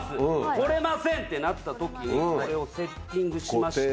取れませんってなった時にこれをセッティングしまして。